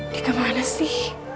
di kemana sih